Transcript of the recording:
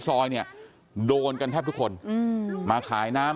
เดี๋ยวให้กลางกินขนม